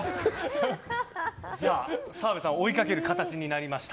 澤部さんを追いかける形になりました。